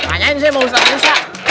tanyain saya mau usah usah